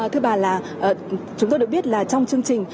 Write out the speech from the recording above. thưa bà chúng tôi được biết là trong chương trình